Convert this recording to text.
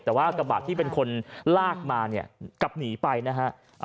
แต่ว่ากระบะที่เป็นคนลากมาเนี่ยกลับหนีไปนะฮะ